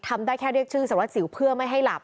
ได้แค่เรียกชื่อสารวัสสิวเพื่อไม่ให้หลับ